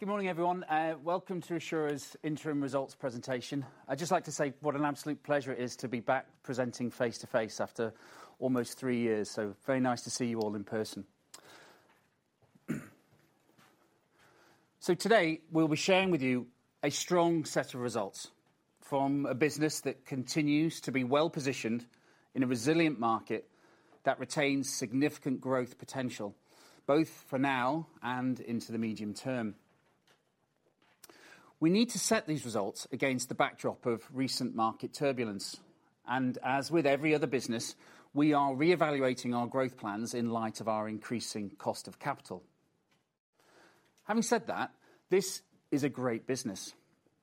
Good morning, everyone. Welcome to Assura's interim results presentation. I'd just like to say what an absolute pleasure it is to be back presenting face-to-face after almost three years. Very nice to see you all in person. Today, we'll be sharing with you a strong set of results from a business that continues to be well positioned in a resilient market that retains significant growth potential, both for now and into the medium term. As with every other business, we are reevaluating our growth plans in light of our increasing cost of capital. Having said that, this is a great business.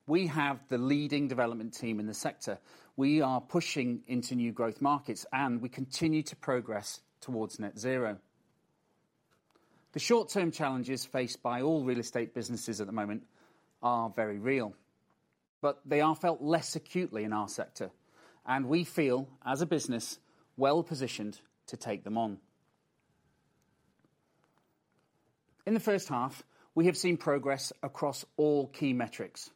We have the leading development team in the sector. We are pushing into new growth markets, and we continue to progress towards net zero. The short-term challenges faced by all real estate businesses at the moment are very real, but they are felt less acutely in our sector, and we feel, as a business, well positioned to take them on. In the first half, we have seen progress across all key metrics,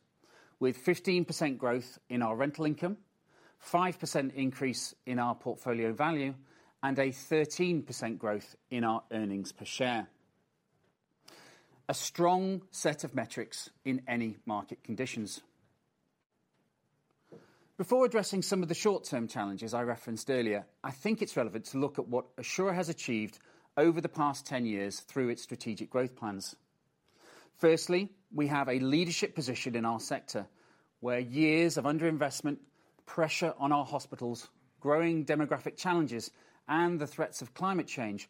with 15% growth in our rental income, 5% increase in our portfolio value, and a 13% growth in our earnings per share. A strong set of metrics in any market conditions. Before addressing some of the short term challenges I referenced earlier, I think it's relevant to look at what Assura has achieved over the past 10 years through its strategic growth plans. Firstly, we have a leadership position in our sector, where years of underinvestment, pressure on our hospitals, growing demographic challenges, and the threats of climate change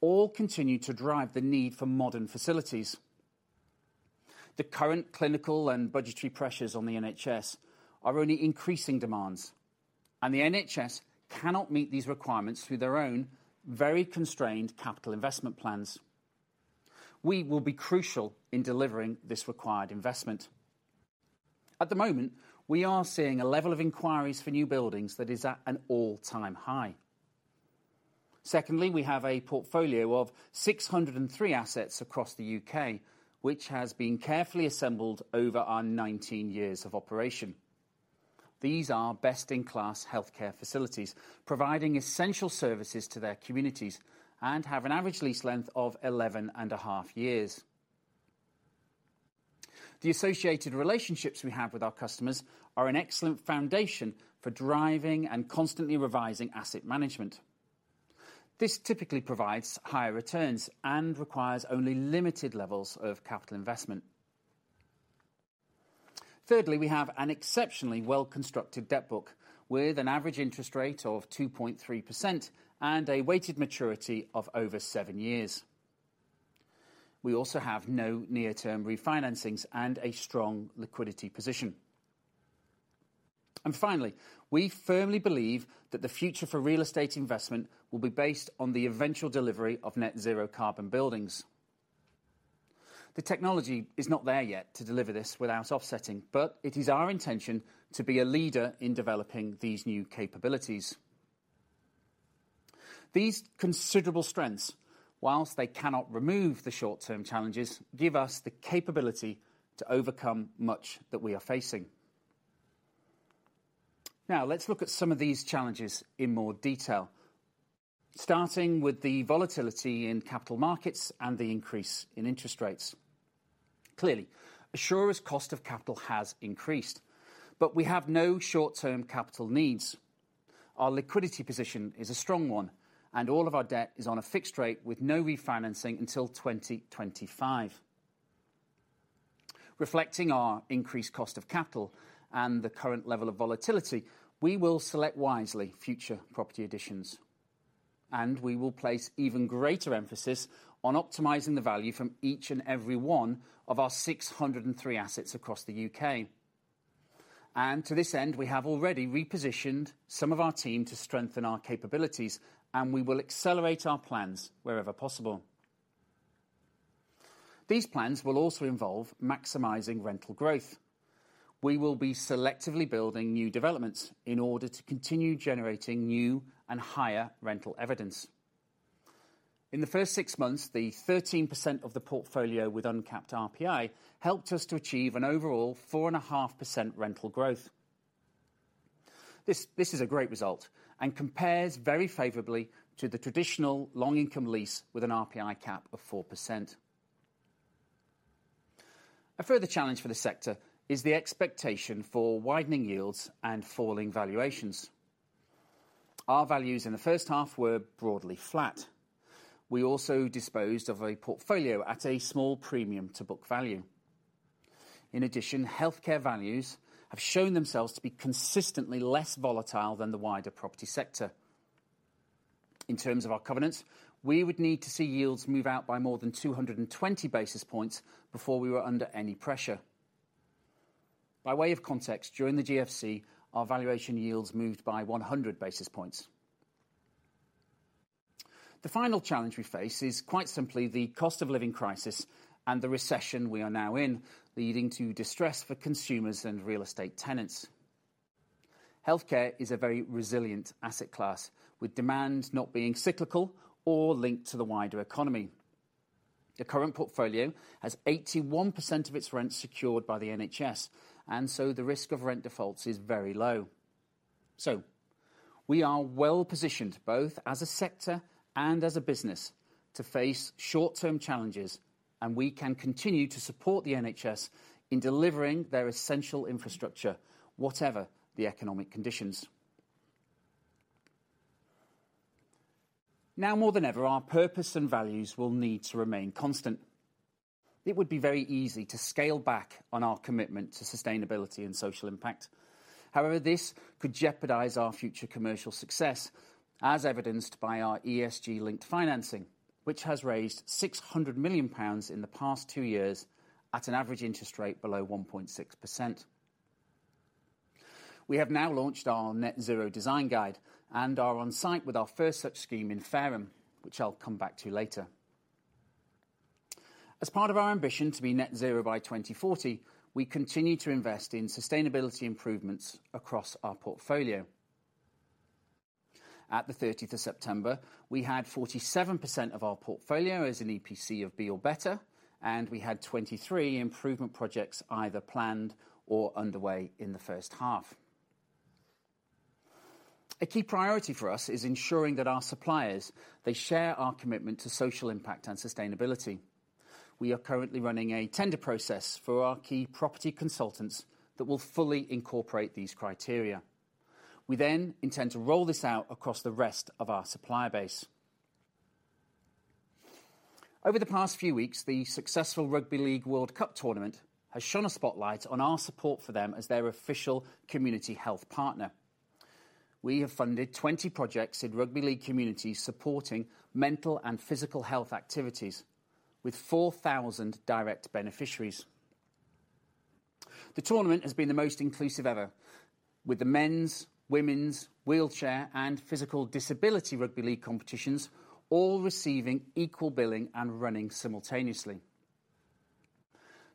all continue to drive the need for modern facilities. The current clinical and budgetary pressures on the NHS are only increasing demands, and the NHS cannot meet these requirements through their own very constrained capital investment plans. We will be crucial in delivering this required investment. At the moment, we are seeing a level of inquiries for new buildings that is at an all-time high. Secondly, we have a portfolio of 603 assets across the U.K., which has been carefully assembled over our 19 years of operation. These are best in class healthcare facilities, providing essential services to their communities and have an average lease length of 11.5 Years. The associated relationships we have with our customers are an excellent foundation for driving and constantly revising asset management. This typically provides higher returns and requires only limited levels of capital investment. Thirdly, we have an exceptionally well-constructed debt book with an average interest rate of 2.3% and a weighted maturity of over seven years. We also have no near-term refinancings and a strong liquidity position. Finally, we firmly believe that the future for real estate investment will be based on the eventual delivery of net zero carbon buildings. The technology is not there yet to deliver this without offsetting, but it is our intention to be a leader in developing these new capabilities. These considerable strengths, whilst they cannot remove the short term challenges, give us the capability to overcome much that we are facing. Now, let's look at some of these challenges in more detail, starting with the volatility in capital markets and the increase in interest rates. Clearly, Assura's cost of capital has increased, but we have no short term capital needs. Our liquidity position is a strong one. All of our debt is on a fixed rate with no refinancing until 2025. Reflecting our increased cost of capital and the current level of volatility, we will select wisely future property additions, and we will place even greater emphasis on optimizing the value from each and every one of our 603 assets across the U.K. To this end, we have already repositioned some of our team to strengthen our capabilities, and we will accelerate our plans wherever possible. These plans will also involve maximizing rental growth. We will be selectively building new developments in order to continue generating new and higher rental evidence. In the first six months, the 13% of the portfolio with uncapped RPI helped us to achieve an overall 4.5% rental growth. This is a great result and compares very favorably to the traditional long income lease with an RPI cap of 4%. A further challenge for the sector is the expectation for widening yields and falling valuations. Our values in the first half were broadly flat. We also disposed of a portfolio at a small premium to book value. In addition, healthcare values have shown themselves to be consistently less volatile than the wider property sector. In terms of our covenants, we would need to see yields move out by more than 220 basis points before we were under any pressure. By way of context, during the GFC, our valuation yields moved by 100 basis points. The final challenge we face is quite simply the cost of living crisis and the recession we are now in, leading to distress for consumers and real estate tenants. Healthcare is a very resilient asset class, with demand not being cyclical or linked to the wider economy. The current portfolio has 81% of its rent secured by the NHS, and so the risk of rent defaults is very low. We are well positioned both as a sector and as a business to face short-term challenges, and we can continue to support the NHS in delivering their essential infrastructure, whatever the economic conditions. Now more than ever, our purpose and values will need to remain constant. It would be very easy to scale back on our commitment to sustainability and social impact. This could jeopardize our future commercial success, as evidenced by our ESG-linked financing, which has raised 600 million pounds in the past two years at an average interest rate below 1.6%. We have now launched our Net Zero Design Guide and are on site with our first such scheme in Fareham, which I'll come back to later. As part of our ambition to be net zero by 2040, we continue to invest in sustainability improvements across our portfolio. At the September 30th, we had 47% of our portfolio as an EPC of B or better, and we had 23 improvement projects either planned or underway in the first half. A key priority for us is ensuring that our suppliers, they share our commitment to social impact and sustainability. We are currently running a tender process for our key property consultants that will fully incorporate these criteria. We then intend to roll this out across the rest of our supplier base. Over the past few weeks, the successful Rugby League World Cup tournament has shone a spotlight on our support for them as their official community health partner. We have funded 20 projects in rugby league communities supporting mental and physical health activities with 4,000 direct beneficiaries. The tournament has been the most inclusive ever, with the men's, women's, wheelchair, and physical disability rugby league competitions all receiving equal billing and running simultaneously.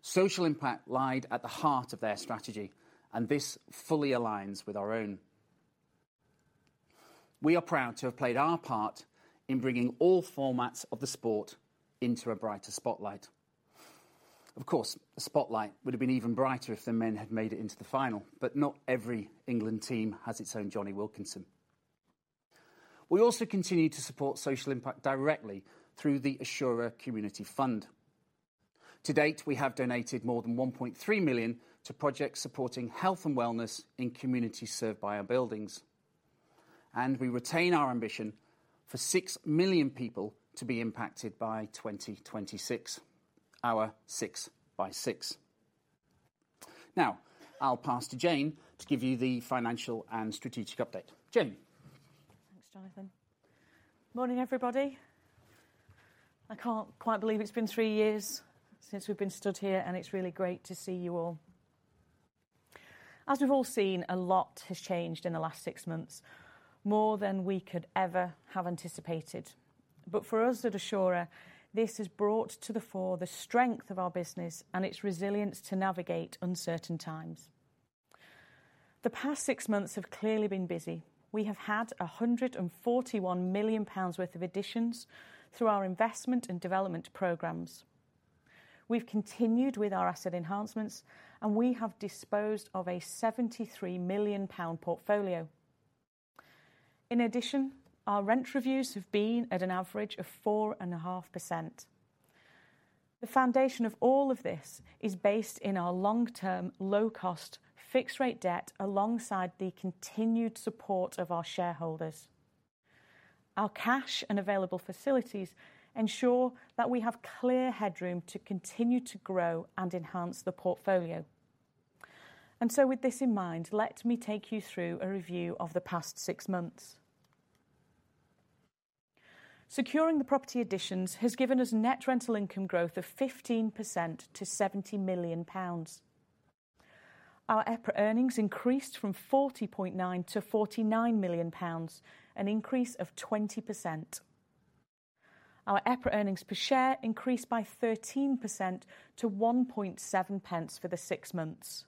Social impact lied at the heart of their strategy, and this fully aligns with our own. We are proud to have played our part in bringing all formats of the sport into a brighter spotlight. Of course, the spotlight would have been even brighter if the men had made it into the final, but not every England team has its own Jonny Wilkinson. We also continue to support social impact directly through the Assura Community Fund. To date, we have donated more than 1.3 million to projects supporting health and wellness in communities served by our buildings. We retain our ambition for 6 million people to be impacted by 2026, our SixBySix. I'll pass to Jayne to give you the financial and strategic update. Jayne. Thanks, Jonathan. Morning, everybody. I can't quite believe it's been three years since we've been stood here, and it's really great to see you all. As we've all seen, a lot has changed in the last six months, more than we could ever have anticipated. For us at Assura, this has brought to the fore the strength of our business and its resilience to navigate uncertain times. The past six months have clearly been busy. We have had 141 million pounds worth of additions through our investment and development programs. We've continued with our asset enhancements, and we have disposed of a 73 million pound portfolio. In addition, our rent reviews have been at an average of 4.5%. The foundation of all of this is based in our long-term, low-cost fixed-rate debt alongside the continued support of our shareholders. Our cash and available facilities ensure that we have clear headroom to continue to grow and enhance the portfolio. With this in mind, let me take you through a review of the past six months. Securing the property additions has given us net rental income growth of 15% to 70 million pounds. Our EPRA earnings increased from 40.9 to 49 million pounds, an increase of 20%. Our EPRA earnings per share increased by 13% to 1.7 pence for the six months.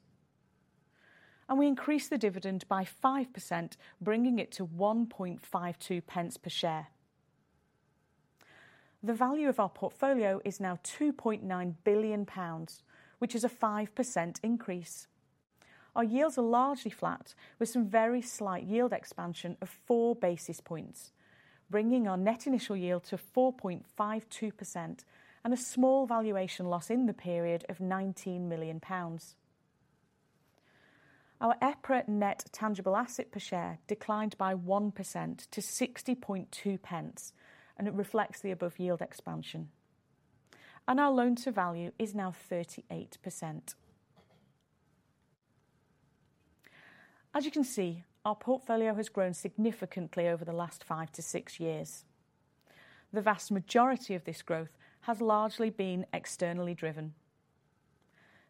We increased the dividend by 5%, bringing it to 1.52 pence per share. The value of our portfolio is now 2.9 billion pounds, which is a 5% increase. Our yields are largely flat with some very slight yield expansion of 4 basis points, bringing our net initial yield to 4.52% and a small valuation loss in the period of 19 million pounds. Our EPRA Net Tangible Asset per share declined by 1% to 60.2. It reflects the above yield expansion. Our Loan to Value is now 38%. As you can see, our portfolio has grown significantly over the last five-six years. The vast majority of this growth has largely been externally driven.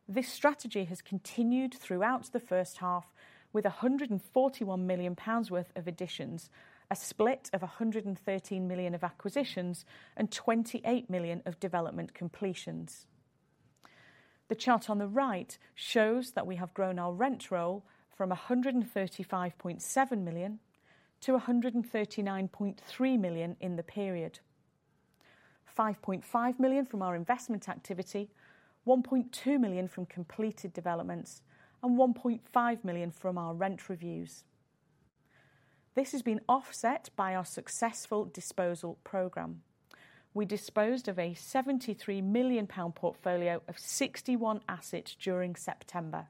This strategy has continued throughout the first half with 141 million pounds worth of additions, a split of 113 million of acquisitions and 28 million of development completions. The chart on the right shows that we have grown our rent roll from 135.7 million to 139.3 million in the period. 5.5 million from our investment activity, 1.2 million from completed developments, and 1.5 million from our rent reviews. This has been offset by our successful disposal program. We disposed of a 73 million pound portfolio of 61 assets during September.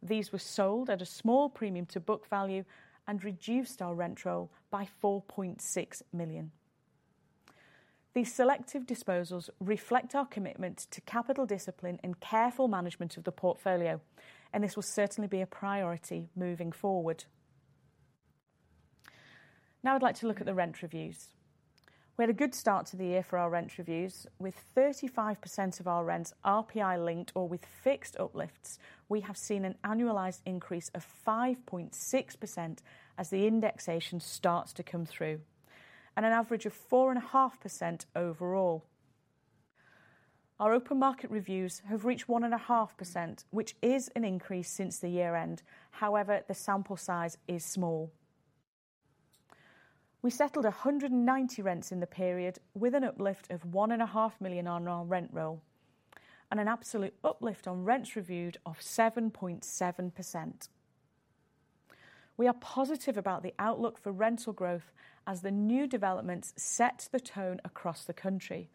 These were sold at a small premium to book value and reduced our rent roll by 4.6 million. These selective disposals reflect our commitment to capital discipline and careful management of the portfolio. This will certainly be a priority moving forward. Now I'd like to look at the rent reviews. We had a good start to the year for our rent reviews. With 35% of our rents RPI linked or with fixed uplifts, we have seen an annualized increase of 5.6% as the indexation starts to come through, and an average of 4.5% overall. Our open market reviews have reached 1.5%, which is an increase since the year-end. However, the sample size is small. We settled 190 rents in the period with an uplift of 1.5 million on our rent roll and an absolute uplift on rents reviewed of 7.7%. We are positive about the outlook for rental growth as the new developments set the tone across the country.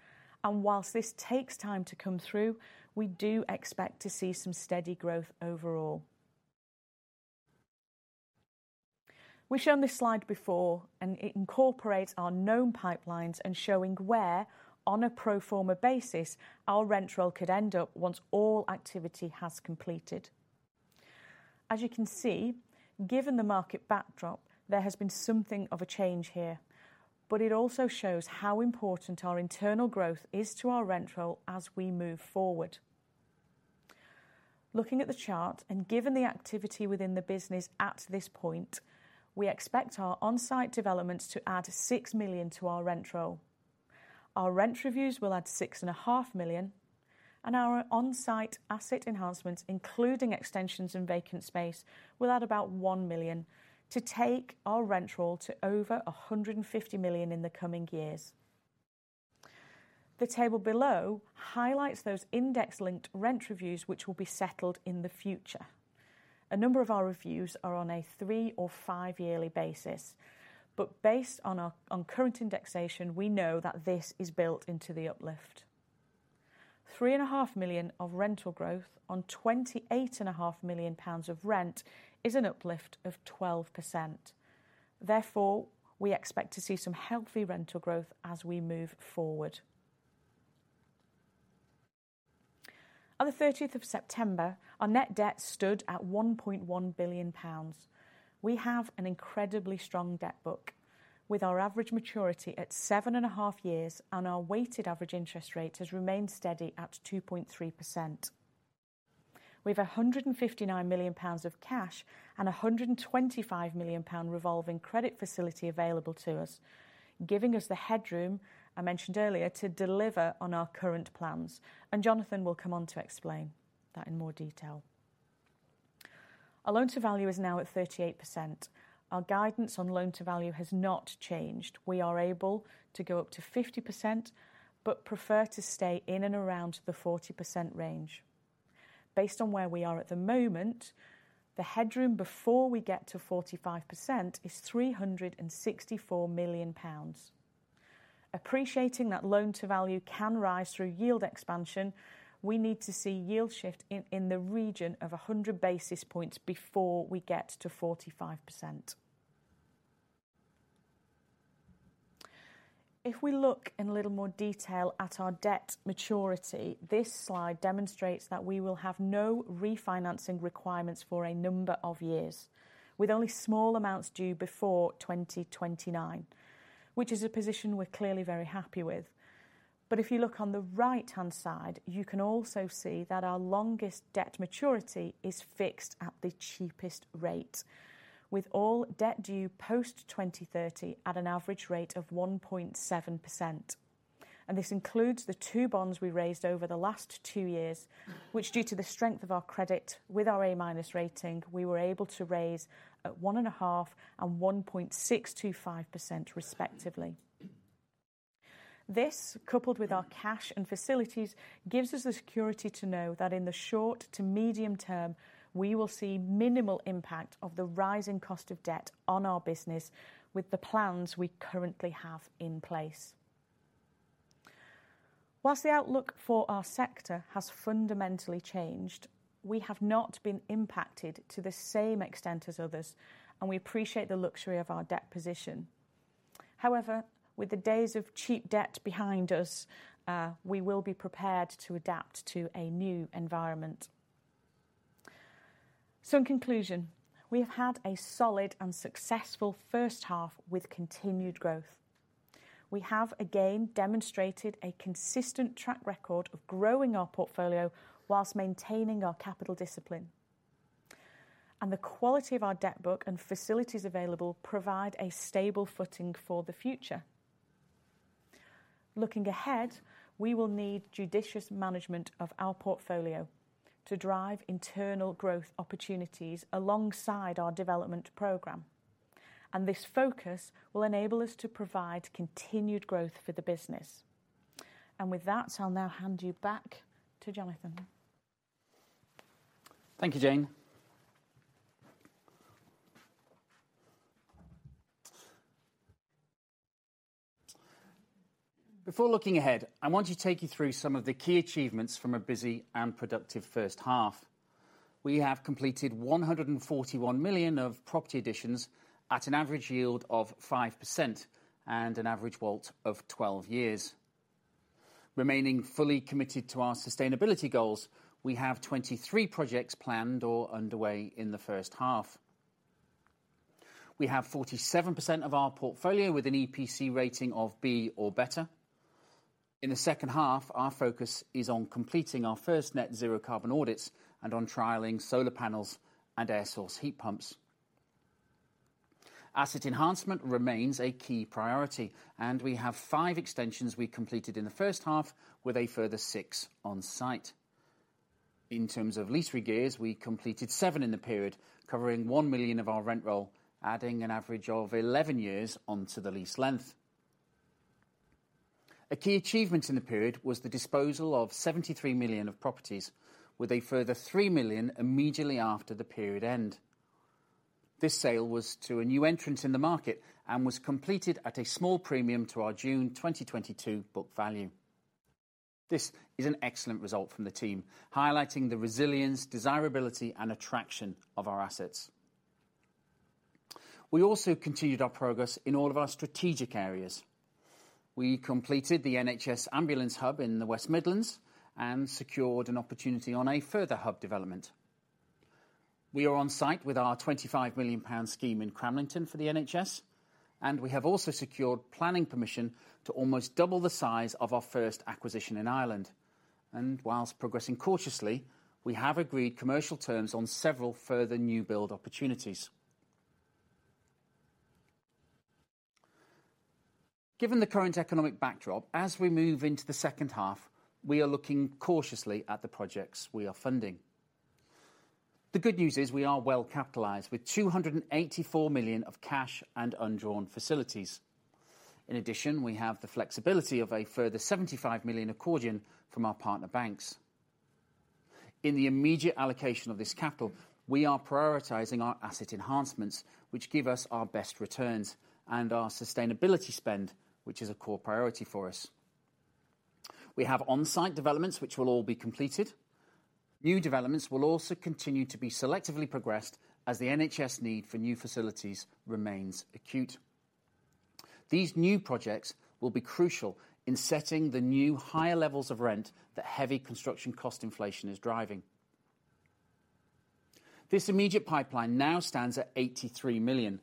Whilst this takes time to come through, we do expect to see some steady growth overall. We've shown this slide before, and it incorporates our known pipelines and showing where, on a pro forma basis, our rent roll could end up once all activity has completed. As you can see, given the market backdrop, there has been something of a change here, but it also shows how important our internal growth is to our rent roll as we move forward. Looking at the chart and given the activity within the business at this point, we expect our on-site developments to add 6 million to our rent roll. Our rent reviews will add 6.5 million, and our on-site asset enhancements, including extensions and vacant space, will add about 1 million to take our rent roll to over 150 million in the coming years. The table below highlights those index-linked rent reviews which will be settled in the future. A number of our reviews are on a three or five-yearly basis, Based on our current indexation, we know that this is built into the uplift. 3.5 million of rental growth on 28.5 million pounds of rent is an uplift of 12%. Therefore, we expect to see some healthy rental growth as we move forward. On the September 13th, our net debt stood at 1.1 billion pounds. We have an incredibly strong debt book with our average maturity at seven and a half years, and our weighted average interest rate has remained steady at 2.3%. We have 159 million pounds of cash and a 125 million pound revolving credit facility available to us, giving us the headroom I mentioned earlier to deliver on our current plans, and Jonathan will come on to explain that in more detail. Our Loan to Value is now at 38%. Our guidance on Loan to Value has not changed. We are able to go up to 50%, but prefer to stay in and around the 40% range. Based on where we are at the moment, the headroom before we get to 45% is 364 million pounds. Appreciating that Loan to Value can rise through yield expansion, we need to see yield shift in the region of 100 basis points before we get to 45%. If we look in a little more detail at our debt maturity, this slide demonstrates that we will have no refinancing requirements for a number of years, with only small amounts due before 2029, which is a position we're clearly very happy with. If you look on the right-hand side, you can also see that our longest debt maturity is fixed at the cheapest rate, with all debt due post-2030 at an average rate of 1.7%. This includes the two bonds we raised over the last two years, which, due to the strength of our credit with our A- rating, we were able to raise at 1.5% and 1.625% respectively. This, coupled with our cash and facilities, gives us the security to know that in the short to medium term, we will see minimal impact of the rising cost of debt on our business with the plans we currently have in place. Whilst the outlook for our sector has fundamentally changed, we have not been impacted to the same extent as others, and we appreciate the luxury of our debt position. With the days of cheap debt behind us, we will be prepared to adapt to a new environment. In conclusion, we have had a solid and successful first half with continued growth. We have again demonstrated a consistent track record of growing our portfolio while maintaining our capital discipline. The quality of our debt book and facilities available provide a stable footing for the future. Looking ahead, we will need judicious management of our portfolio to drive internal growth opportunities alongside our development program. This focus will enable us to provide continued growth for the business. With that, I'll now hand you back to Jonathan. Thank you, Jayne. Before looking ahead, I want to take you through some of the key achievements from a busy and productive first half. We have completed 141 million of property additions at an average yield of 5% and an average WALT of 12 years. Remaining fully committed to our sustainability goals, we have 23 projects planned or underway in the first half. We have 47% of our portfolio with an EPC rating of B or better. In the second half, our focus is on completing our first net zero carbon audits and on trialing solar panels and air source heat pumps. Asset enhancement remains a key priority, and we have five extensions we completed in the first half with a further six on site. In terms of lease regears, we completed seven in the period covering 1 million of our rent roll, adding an average of 11 years onto the lease length. A key achievement in the period was the disposal of 73 million of properties, with a further 3 million immediately after the period end. This sale was to a new entrant in the market and was completed at a small premium to our June 2022 book value. This is an excellent result from the team, highlighting the resilience, desirability and attraction of our assets. We also continued our progress in all of our strategic areas. We completed the NHS ambulance hub in the West Midlands and secured an opportunity on a further hub development. We are on site with our 25 million pound scheme in Cramlington for the NHS. We have also secured planning permission to almost double the size of our first acquisition in Ireland. Whilst progressing cautiously, we have agreed commercial terms on several further new build opportunities. Given the current economic backdrop, as we move into the second half, we are looking cautiously at the projects we are funding. The good news is we are well capitalized with 284 million of cash and undrawn facilities. In addition, we have the flexibility of a further 75 million accordion from our partner banks. In the immediate allocation of this capital, we are prioritizing our asset enhancements, which give us our best returns and our sustainability spend, which is a core priority for us. We have on-site developments which will all be completed. New developments will also continue to be selectively progressed as the NHS need for new facilities remains acute. These new projects will be crucial in setting the new higher levels of rent that heavy construction cost inflation is driving. This immediate pipeline now stands at 83 million,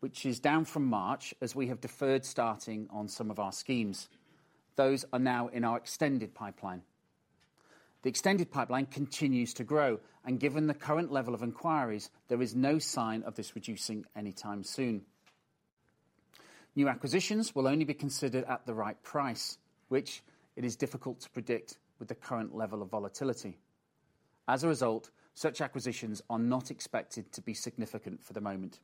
which is down from March, as we have deferred starting on some of our schemes. Those are now in our extended pipeline. The extended pipeline continues to grow, and given the current level of inquiries, there is no sign of this reducing anytime soon. New acquisitions will only be considered at the right price, which it is difficult to predict with the current level of volatility. As a result, such acquisitions are not expected to be significant for the moment.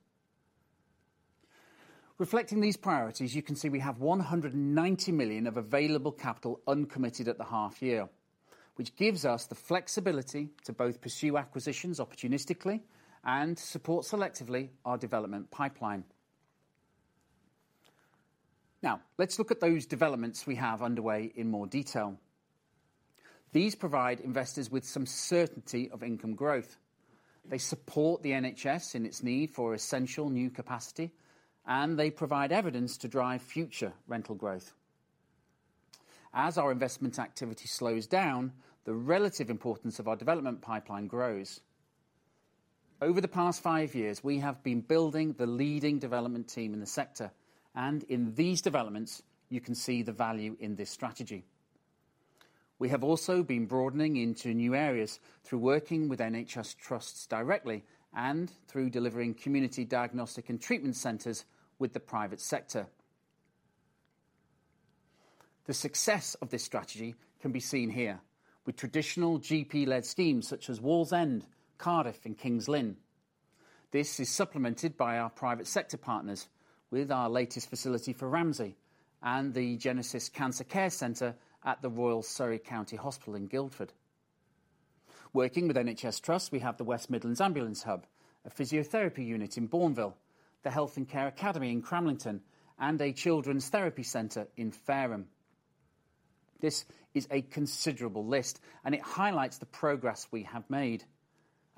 Reflecting these priorities, you can see we have 190 million of available capital uncommitted at the half year, which gives us the flexibility to both pursue acquisitions opportunistically and support selectively our development pipeline. Let's look at those developments we have underway in more detail. These provide investors with some certainty of income growth. They support the NHS in its need for essential new capacity, and they provide evidence to drive future rental growth. As our investment activity slows down, the relative importance of our development pipeline grows. Over the past five years, we have been building the leading development team in the sector, and in these developments you can see the value in this strategy. We have also been broadening into new areas through working with NHS trusts directly and through delivering community diagnostic and treatment centers with the private sector. The success of this strategy can be seen here with traditional GP-led schemes such as Wallsend, Cardiff and King's Lynn. This is supplemented by our private sector partners with our latest facility for Ramsay and the Genesis Cancer Care Center at the Royal Surrey County Hospital in Guildford. Working with NHS Trust, we have the West Midlands Ambulance Hub, a physiotherapy unit in Bournville, the Health and Care Academy in Cramlington, and a children's therapy center in Fareham. This is a considerable list, and it highlights the progress we have made.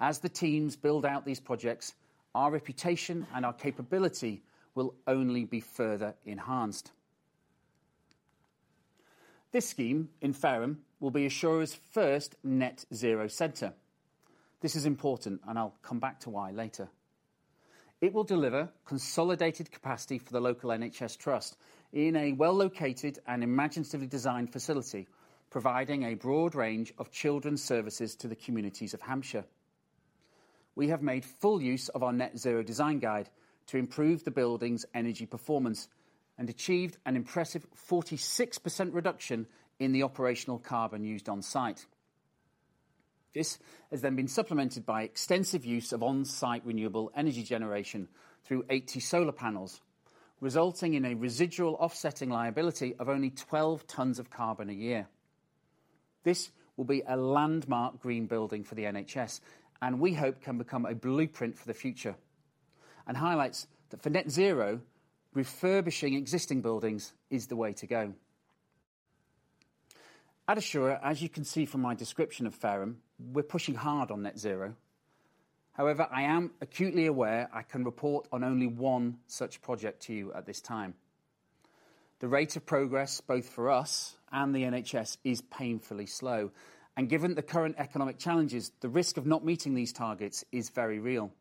As the teams build out these projects, our reputation and our capability will only be further enhanced. This scheme in Fareham will be Assura's first net zero center. This is important and I'll come back to why later. It will deliver consolidated capacity for the local NHS trust in a well-located and imaginatively designed facility, providing a broad range of children's services to the communities of Hampshire. We have made full use of our Net Zero Design Guide to improve the building's energy performance and achieved an impressive 46% reduction in the operational carbon used on site. This has then been supplemented by extensive use of on-site renewable energy generation through 80 solar panels, resulting in a residual offsetting liability of only 12 tons of carbon a year. This will be a landmark green building for the NHS, and we hope can become a blueprint for the future, and highlights that for net zero, refurbishing existing buildings is the way to go. At Assura, as you can see from my description of Fareham, we're pushing hard on net zero. I am acutely aware I can report on only one such project to you at this time. The rate of progress, both for us and the NHS, is painfully slow, and given the current economic challenges, the risk of not meeting these targets is very real.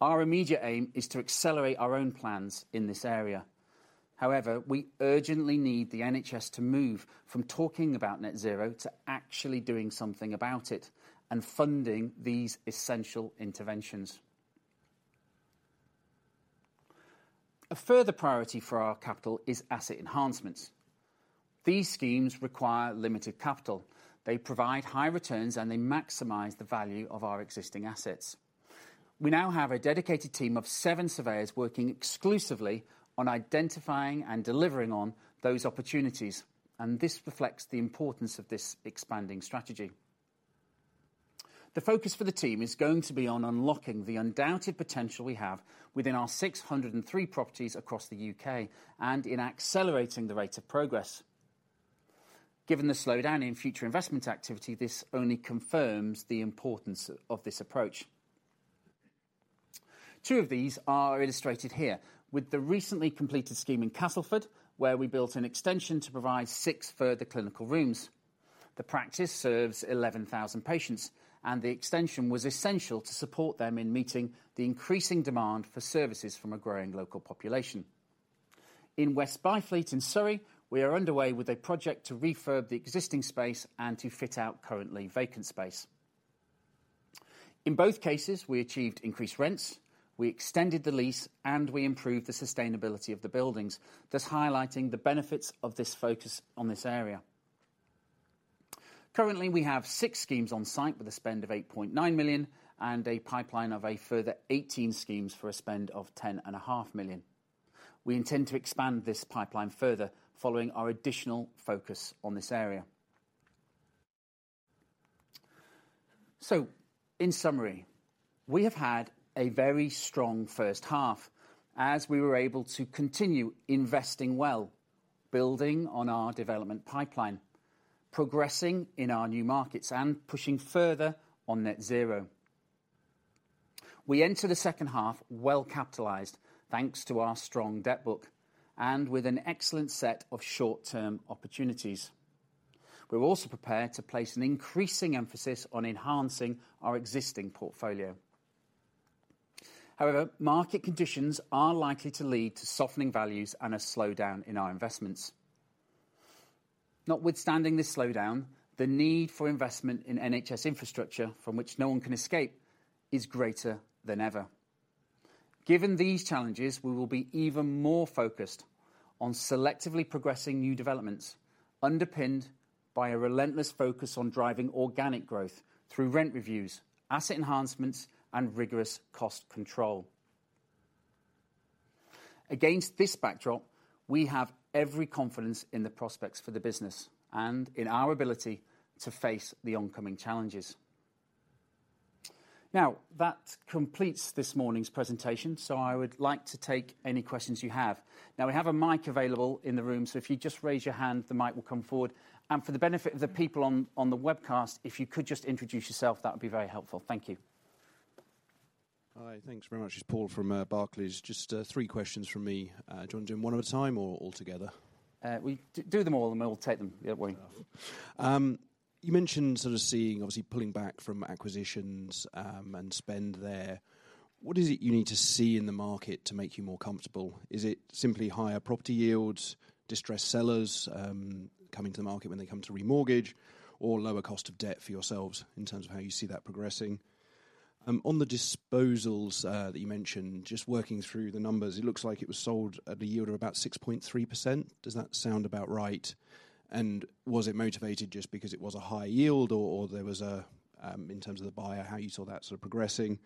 Our immediate aim is to accelerate our own plans in this area. We urgently need the NHS to move from talking about net zero to actually doing something about it and funding these essential interventions. A further priority for our capital is asset enhancements. These schemes require limited capital. They provide high returns, and they maximize the value of our existing assets. We now have a dedicated team of seven surveyors working exclusively on identifying and delivering on those opportunities, and this reflects the importance of this expanding strategy. The focus for the team is going to be on unlocking the undoubted potential we have within our 603 properties across the U.K., and in accelerating the rate of progress. Given the slowdown in future investment activity, this only confirms the importance of this approach. Two of these are illustrated here with the recently completed scheme in Castleford, where we built an extension to provide six further clinical rooms. The practice serves 11,000 patients, and the extension was essential to support them in meeting the increasing demand for services from a growing local population. In West Byfleet in Surrey, we are underway with a project to refurb the existing space and to fit out currently vacant space. In both cases, we achieved increased rents, we extended the lease, and we improved the sustainability of the buildings, thus highlighting the benefits of this focus on this area. Currently, we have six schemes on site with a spend of 8.9 million and a pipeline of a further 18 schemes for a spend of 10.5 million. We intend to expand this pipeline further following our additional focus on this area. In summary, we have had a very strong first half as we were able to continue investing well, building on our development pipeline, progressing in our new markets and pushing further on net zero. We enter the second half well capitalized, thanks to our strong debt book and with an excellent set of short-term opportunities. We're also prepared to place an increasing emphasis on enhancing our existing portfolio. Market conditions are likely to lead to softening values and a slowdown in our investments. Notwithstanding this slowdown, the need for investment in NHS infrastructure from which no one can escape is greater than ever. Given these challenges, we will be even more focused on selectively progressing new developments, underpinned by a relentless focus on driving organic growth through rent reviews, asset enhancements, and rigorous cost control. Against this backdrop, we have every confidence in the prospects for the business and in our ability to face the oncoming challenges. That completes this morning's presentation, so I would like to take any questions you have. We have a mic available in the room, so if you just raise your hand, the mic will come forward. For the benefit of the people on the webcast, if you could just introduce yourself, that would be very helpful. Thank you. Hi. Thanks very much. It's Paul from Barclays. Just three questions from me. Do you want them one at a time or all together? Do them all and we'll take them. Don't worry. You mentioned sort of seeing, obviously pulling back from acquisitions, and spend there. What is it you need to see in the market to make you more comfortable? Is it simply higher property yields, distressed sellers, coming to the market when they come to remortgage or lower cost of debt for yourselves in terms of how you see that progressing? On the disposals that you mentioned, just working through the numbers, it looks like it was sold at a yield of about 6.3%. Does that sound about right? Was it motivated just because it was a high yield or there was a, in terms of the buyer, how you saw that sort of progressing?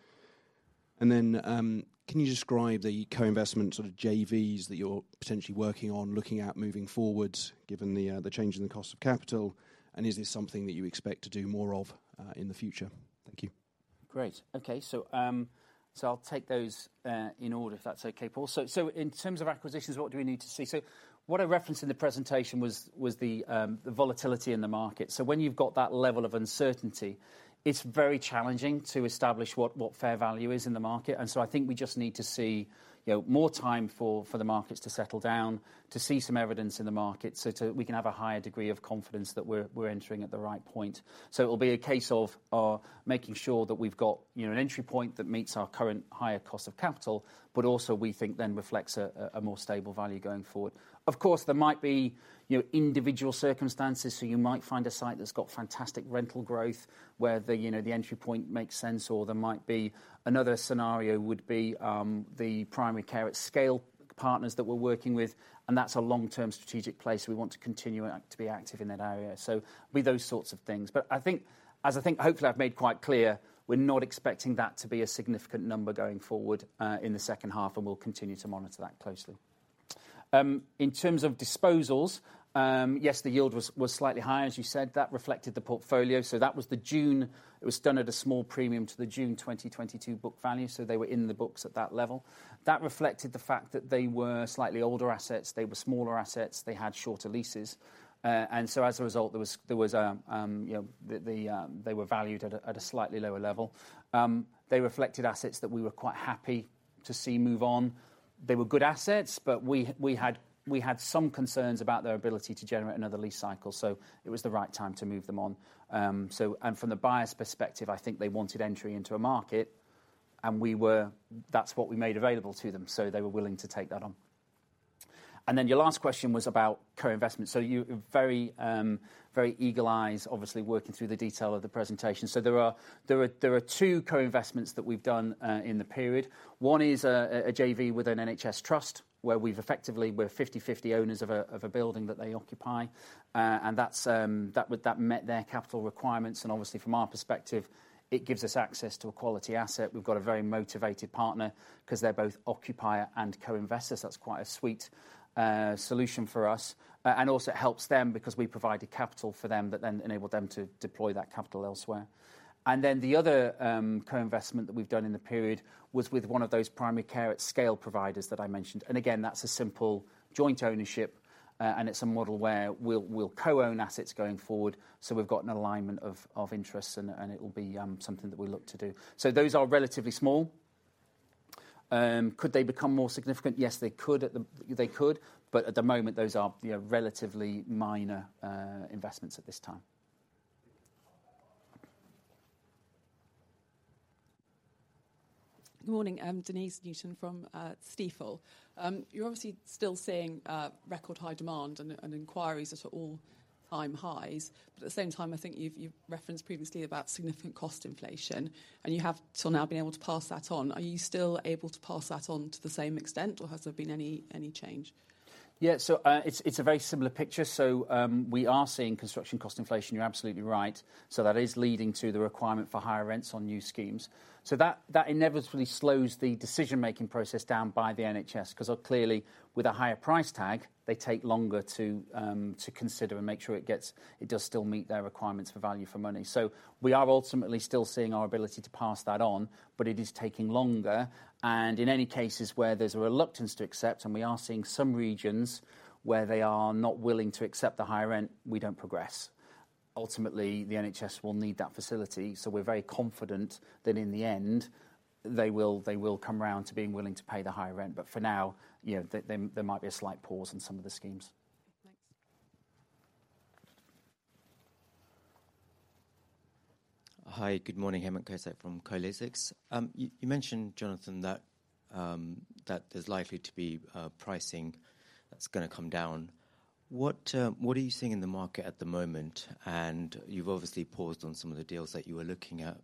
Can you describe the co-investment sort of JVs that you're potentially working on looking at moving forward, given the change in the cost of capital, and is this something that you expect to do more of in the future? Thank you. Great. Okay, I'll take those in order, if that's okay, Paul. In terms of acquisitions, what do we need to see? What I referenced in the presentation was the volatility in the market. When you've got that level of uncertainty, it's very challenging to establish what fair value is in the market. I think we just need to see, you know, more time for the markets to settle down, to see some evidence in the market so we can have a higher degree of confidence that we're entering at the right point. It'll be a case of making sure that we've got, you know, an entry point that meets our current higher cost of capital, but also, we think then reflects a more stable value going forward. Of course, there might be, you know, individual circumstances, so you might find a site that's got fantastic rental growth where the, you know, the entry point makes sense, or there might be another scenario would be, the primary care scale partners that we're working with, and that's a long-term strategic place we want to continue to be active in that area. It'll be those sorts of things. I think, as I think hopefully I've made quite clear, we're not expecting that to be a significant number going forward, in the second half, and we'll continue to monitor that closely. In terms of disposals, yes, the yield was slightly higher, as you said. That reflected the portfolio. That was it was done at a small premium to the June 2022 book value, so they were in the books at that level. That reflected the fact that they were slightly older assets, they were smaller assets, they had shorter leases. As a result, there was, you know, the, they were valued at a slightly lower level. They reflected assets that we were quite happy to see move on. They were good assets, we had some concerns about their ability to generate another lease cycle, so it was the right time to move them on. From the buyer's perspective, I think they wanted entry into a market, and that's what we made available to them, so they were willing to take that on. Your last question was about co-investment. You are very, very eagle eyes, obviously working through the detail of the presentation. There are two co-investments that we've done in the period. One is a JV with an NHS trust, where we've effectively we're 50/50 owners of a building that they occupy. That's, that met their capital requirements. Obviously, from our perspective, it gives us access to a quality asset. We've got a very motivated partner 'cause they're both occupier and co-investor, so that's quite a sweet solution for us. Also it helps them because we provided capital for them that then enabled them to deploy that capital elsewhere. The other co-investment that we've done in the period was with one of those primary care at scale providers that I mentioned. Again, that's a simple joint ownership, and it's a model where we'll co-own assets going forward, so we've got an alignment of interests and it'll be something that we look to do. Those are relatively small. Could they become more significant? Yes, they could, but at the moment, those are, you know, relatively minor investments at this time. Good morning. I'm Denese Newton from Stifel. You're obviously still seeing record high demand and inquiries are at all-time highs. At the same time, I think you've referenced previously about significant cost inflation. You have till now been able to pass that on. Are you still able to pass that on to the same extent, or has there been any change? Yeah, it's a very similar picture. We are seeing construction cost inflation. You're absolutely right. That is leading to the requirement for higher rents on new schemes. That inevitably slows the decision-making process down by the NHS 'cause clearly, with a higher price tag, they take longer to consider and make sure it does still meet their requirements for value for money. We are ultimately still seeing our ability to pass that on, but it is taking longer. In any cases where there's a reluctance to accept, and we are seeing some regions where they are not willing to accept the higher rent, we don't progress. Ultimately, the NHS will need that facility, we're very confident that in the end, they will come round to being willing to pay the higher rent. For now, you know, there might be a slight pause in some of the schemes. Thanks. Hi, good morning. Hemant Kotak from Kolytics. You mentioned, Jonathan, that there's likely to be pricing that's gonna come down. What are you seeing in the market at the moment? You've obviously paused on some of the deals that you were looking at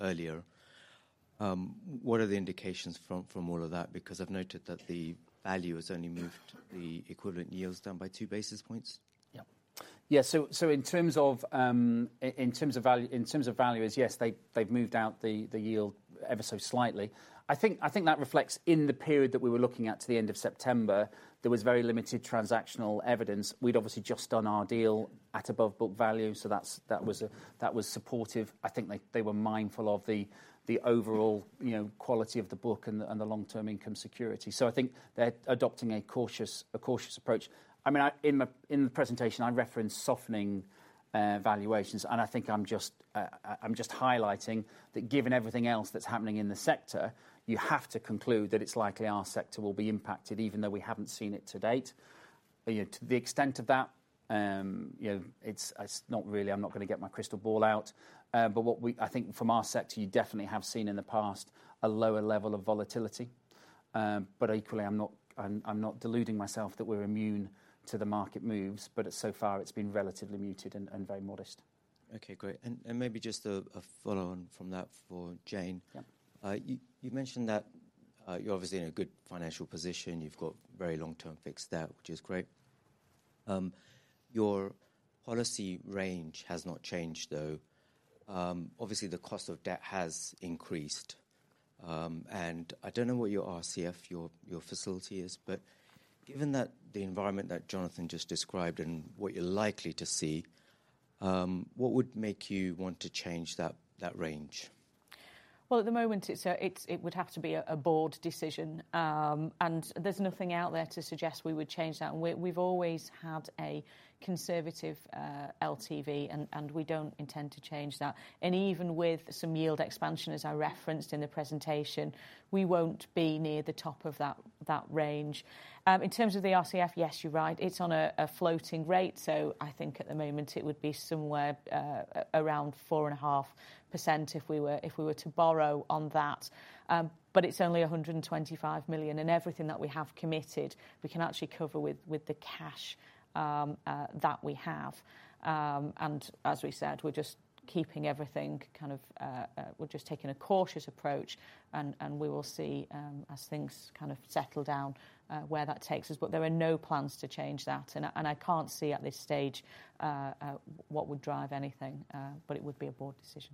earlier. What are the indications from all of that? I've noted that the value has only moved the equivalent yields down by 2 basis points. Yeah. In terms of value is, yes, they've moved out the yield ever so slightly. I think that reflects in the period that we were looking at to the end of September, there was very limited transactional evidence. We'd obviously just done our deal at above book value, so that was supportive. I think they were mindful of the overall, you know, quality of the book and the long-term income security. I think they're adopting a cautious approach. I mean, in my presentation, I referenced softening valuations. I think I'm just highlighting that given everything else that's happening in the sector, you have to conclude that it's likely our sector will be impacted, even though we haven't seen it to date. You know, to the extent of that, you know, it's not really, I'm not gonna get my crystal ball out. I think from our sector, you definitely have seen in the past a lower level of volatility. Equally, I'm not deluding myself that we're immune to the market moves, but so far it's been relatively muted and very modest. Okay, great. Maybe just a follow on from that for Jayne. Yeah. You mentioned that you're obviously in a good financial position. You've got very long term fixed debt, which is great. Your policy range has not changed, though. Obviously the cost of debt has increased. I don't know what your RCF facility is, but given that the environment that Jonathan just described and what you're likely to see, what would make you want to change that range? Well, at the moment, it's, it would have to be a board decision. There's nothing out there to suggest we would change that. We've always had a conservative LTV, and we don't intend to change that. Even with some yield expansion, as I referenced in the presentation, we won't be near the top of that range. In terms of the RCF, yes, you're right. It's on a floating rate. I think at the moment it would be somewhere around 4.5% if we were to borrow on that. It's only 125 million. Everything that we have committed, we can actually cover with the cash that we have. As we said, we're just keeping everything kind of... We're just taking a cautious approach and we will see, as things kind of settle down, where that takes us. There are no plans to change that, and I can't see at this stage, what would drive anything, but it would be a board decision.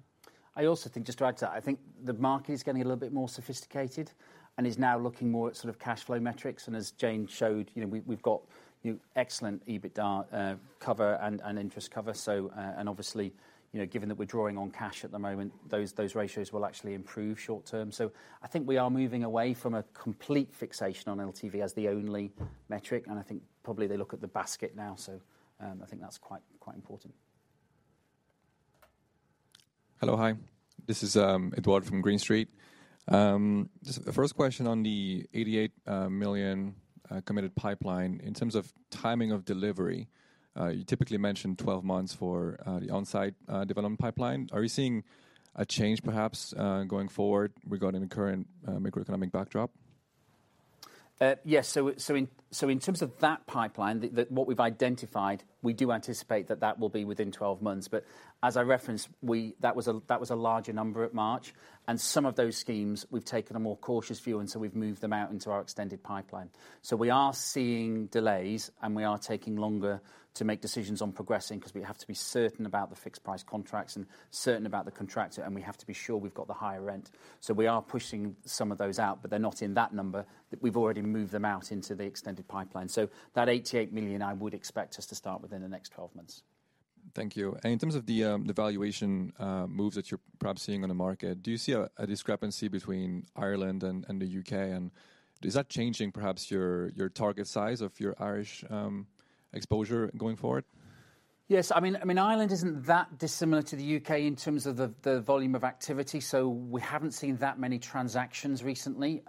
I also think, just to add to that, I think the market is getting a little bit more sophisticated and is now looking more at sort of cash flow metrics. As Jayne showed, you know, we've got, you know, excellent EBITDA cover and interest cover. Obviously, you know, given that we're drawing on cash at the moment, those ratios will actually improve short term. I think we are moving away from a complete fixation on LTV as the only metric, and I think probably they look at the basket now. I think that's quite important. Hello. Hi. This is Edward from Green Street. Just the first question on the 88 million committed pipeline. In terms of timing of delivery, you typically mention 12 months for the on-site development pipeline. Are we seeing a change perhaps going forward regarding the current macroeconomic backdrop? Yes. In terms of that pipeline, what we've identified, we do anticipate that that will be within 12 months. As I referenced, that was a larger number at March, and some of those schemes we've taken a more cautious view and so we've moved them out into our extended pipeline. We are seeing delays, and we are taking longer to make decisions on progressing because we have to be certain about the fixed price contracts and certain about the contractor, and we have to be sure we've got the higher rent. We are pushing some of those out, but they're not in that number, but we've already moved them out into the extended pipeline. That 88 million, I would expect us to start within the next 12 months. Thank you. In terms of the valuation, moves that you're perhaps seeing on the market, do you see a discrepancy between Ireland and the U.K.? Is that changing perhaps your target size of your Irish exposure going forward? Yes. I mean, Ireland isn't that dissimilar to the U.K. in terms of the volume of activity, so we haven't seen that many transactions recently.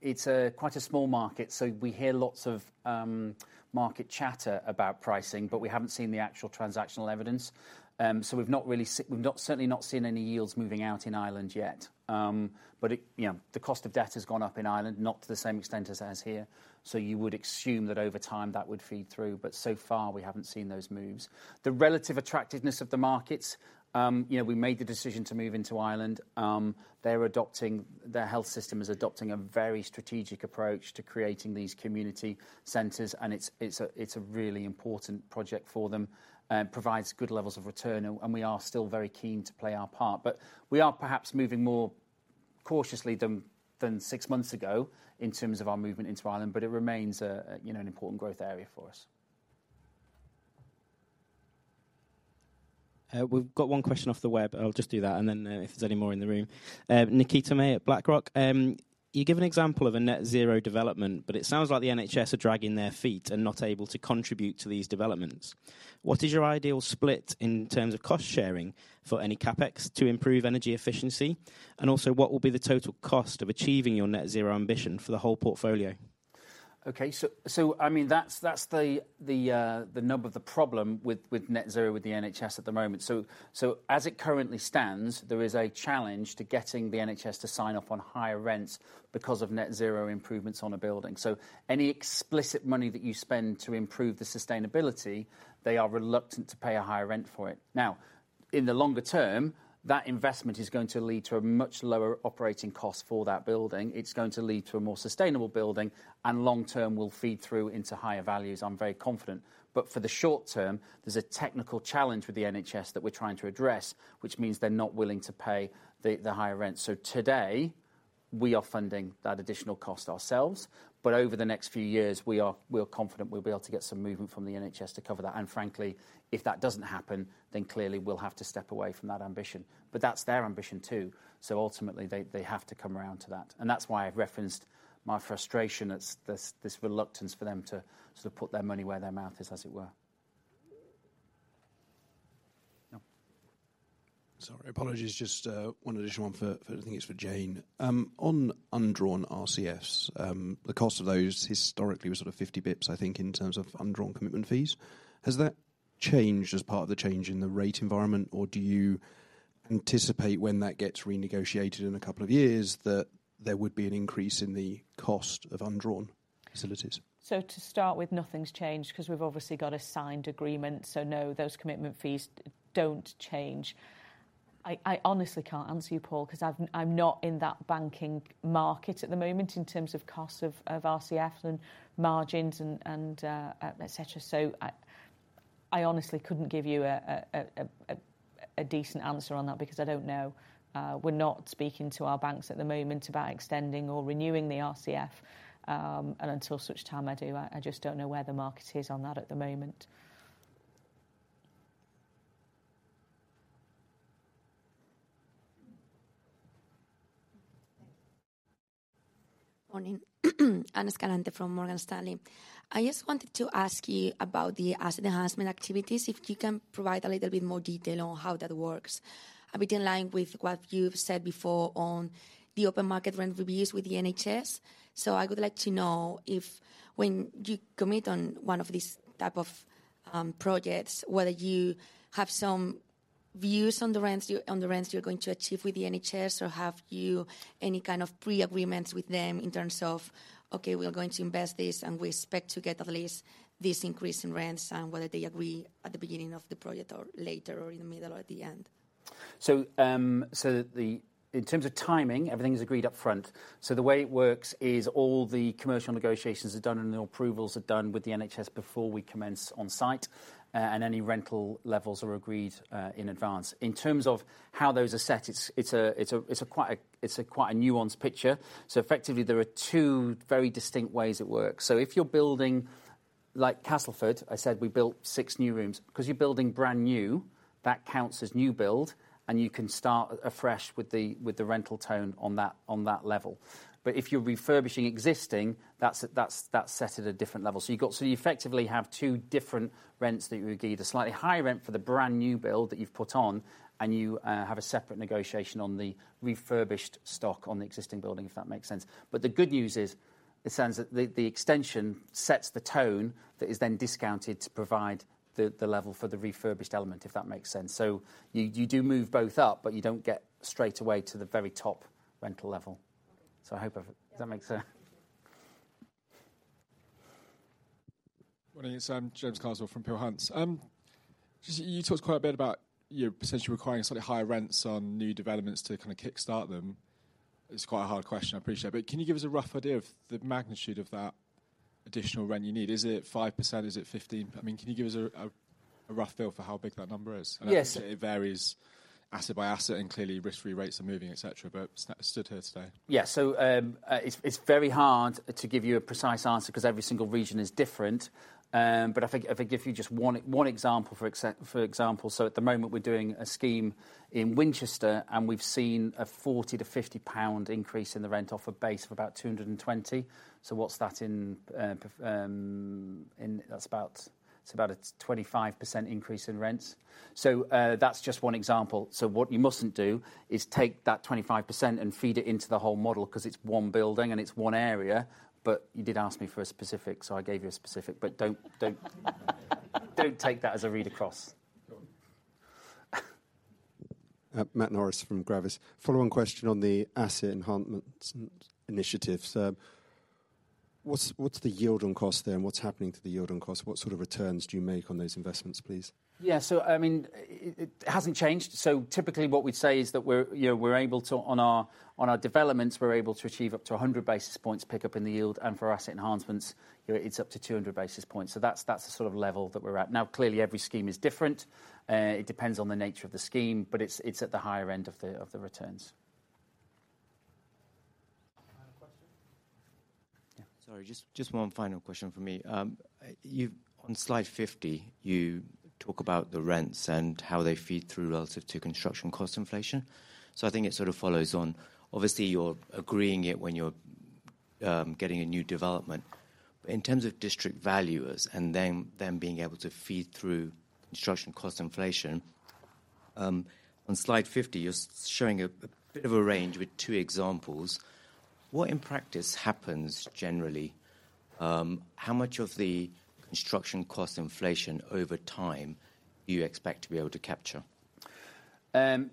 It's quite a small market, so we hear lots of market chatter about pricing, but we haven't seen the actual transactional evidence. We've not certainly not seen any yields moving out in Ireland yet. It, you know, the cost of debt has gone up in Ireland, not to the same extent as it has here, so you would assume that over time that would feed through. So far we haven't seen those moves. The relative attractiveness of the markets, you know, we made the decision to move into Ireland. Their health system is adopting a very strategic approach to creating these community centers, and it's a really important project for them. Provides good levels of return and we are still very keen to play our part. We are perhaps moving more cautiously than six months ago in terms of our movement into Ireland, but it remains a, you know, an important growth area for us. We've got one question off the web. I'll just do that, and then, if there's any more in the room. Nikita May at BlackRock. You give an example of a net zero development, but it sounds like the NHS are dragging their feet and not able to contribute to these developments. What is your ideal split in terms of cost sharing for any CapEx to improve energy efficiency? What will be the total cost of achieving your net zero ambition for the whole portfolio? Okay. I mean, that's the nub of the problem with net zero with the NHS at the moment. As it currently stands, there is a challenge to getting the NHS to sign off on higher rents because of net zero improvements on a building. Any explicit money that you spend to improve the sustainability, they are reluctant to pay a higher rent for it. In the longer term, that investment is going to lead to a much lower operating cost for that building. It's going to lead to a more sustainable building, and long term will feed through into higher values, I'm very confident. For the short term, there's a technical challenge with the NHS that we're trying to address, which means they're not willing to pay the higher rent. Today, we are funding that additional cost ourselves, but over the next few years, we are confident we'll be able to get some movement from the NHS to cover that. Frankly, if that doesn't happen, then clearly we'll have to step away from that ambition. That's their ambition too, so ultimately they have to come around to that. That's why I've referenced my frustration at this reluctance for them to sort of put their money where their mouth is, as it were. Yeah. Sorry. Apologies. Just one additional one for, I think it's for Jayne. On undrawn RCF, the cost of those historically was sort of 50 basis points, I think, in terms of undrawn commitment fees. Has that changed as part of the change in the rate environment, or do you anticipate when that gets renegotiated in a couple of years, that there would be an increase in the cost of undrawn facilities? To start with, nothing's changed 'cause we've obviously got a signed agreement. No, those commitment fees don't change. I honestly can't answer you, Paul, 'cause I've, I'm not in that banking market at the moment in terms of costs of RCF and margins and et cetera. I honestly couldn't give you a decent answer on that because I don't know. We're not speaking to our banks at the moment about extending or renewing the RCF. Until such time I do, I just don't know where the market is on that at the moment. Morning. Ana Escalante from Morgan Stanley. I just wanted to ask you about the asset enhancement activities, if you can provide a little bit more detail on how that works. A bit in line with what you've said before on the open market rent reviews with the NHS. I would like to know if when you commit on one of these type of projects, whether you have some views on the rents you're going to achieve with the NHS, or have you any kind of pre-agreements with them in terms of, "Okay, we're going to invest this, and we expect to get at least this increase in rents," and whether they agree at the beginning of the project or later or in the middle or at the end. In terms of timing, everything is agreed up front. The way it works is all the commercial negotiations are done and the approvals are done with the NHS before we commence on site. Any rental levels are agreed in advance. In terms of how those are set, it's a quite a nuanced picture. Effectively, there are two very distinct ways it works. If you're building, like Castleford, I said we built six new rooms, because you're building brand new, that counts as new build, and you can start afresh with the rental tone on that level. If you're refurbishing existing, that's set at a different level. You effectively have two different rents that you would give. The slightly higher rent for the brand new build that you've put on, and you have a separate negotiation on the refurbished stock on the existing building, if that makes sense. The good news is, it sounds that the extension sets the tone that is then discounted to provide the level for the refurbished element, if that makes sense. You, you do move both up, but you don't get straight away to the very top rental level. I hope I've. Does that make sense? Yeah. Thank you. Morning. It's James Castle from Peel Hunt. You talked quite a bit about you essentially requiring slightly higher rents on new developments to kinda kickstart them. It's quite a hard question, I appreciate. Can you give us a rough idea of the magnitude of that additional rent you need? Is it 5%? Is it 15? I mean, can you give us a rough feel for how big that number is? Yes. I know it varies asset by asset, and clearly risk-free rates are moving, et cetera, but stood here today. Yeah. It's very hard to give you a precise answer 'cause every single region is different. I think, if you just one example, for example, at the moment we're doing a scheme in Winchester, and we've seen a 40-50 pound increase in the rent off a base of about 220. What's that in... That's about, it's about a 25% increase in rents. That's just one example. What you mustn't do is take that 25% and feed it into the whole model, 'cause it's one building and it's one area. You did ask me for a specific, so I gave you a specific. Don't take that as a read across. Got it. Matthew Norris from Gravis. Follow on question on the asset enhancement initiatives. What's the yield on cost there, and what's happening to the yield on cost? What sort of returns do you make on those investments, please? Yeah. I mean, it hasn't changed. Typically what we'd say is that we're, you know, we're able to, on our, on our developments, we're able to achieve up to 100 basis points pick-up in the yield. For asset enhancements, you know, it's up to 200 basis points. That's, that's the sort of level that we're at. Now, clearly every scheme is different. It depends on the nature of the scheme. It's, it's at the higher end of the, of the returns. Any other question? Yeah. Sorry, just one final question from me. On slide 50, you talk about the rents and how they feed through relative to construction cost inflation. I think it sort of follows on. Obviously, you're agreeing it when you're getting a new development. In terms of District Valuers and them being able to feed through construction cost inflation, on slide 50, you're showing a bit of a range with two examples. What, in practice, happens generally? How much of the construction cost inflation over time you expect to be able to capture? Well,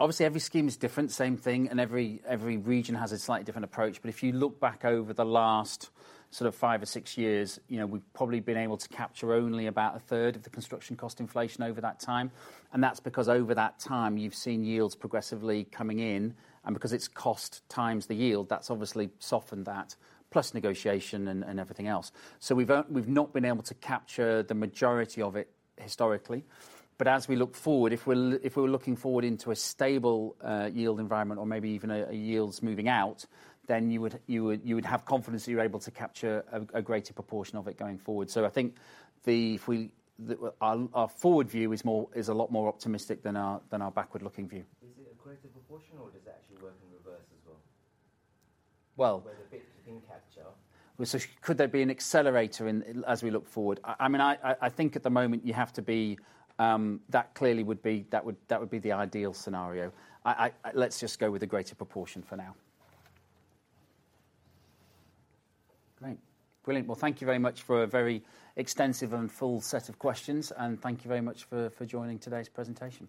obviously every scheme is different, same thing, and every region has a slightly different approach. If you look back over the last sort of five or six years, you know, we've probably been able to capture only about a third of the construction cost inflation over that time. That's because over that time, you've seen yields progressively coming in, and because it's cost times the yield, that's obviously softened that, plus negotiation and everything else. We've not been able to capture the majority of it historically. As we look forward, if we're looking forward into a stable yield environment or maybe even a yields moving out, then you would have confidence that you're able to capture a greater proportion of it going forward. I think if we our forward view is a lot more optimistic than our backward-looking view. Is it a greater proportion or does it actually work in reverse as well? Well- Where the bit you can capture. Well, could there be an accelerator in as we look forward? I mean, I think at the moment you have to be, that clearly would be, that would be the ideal scenario. Let's just go with the greater proportion for now. Great. Brilliant. Well, thank you very much for a very extensive and full set of questions. Thank you very much for joining today's presentation.